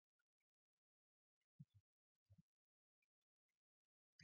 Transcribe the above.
He has two round ears on top of his oval-shaped head.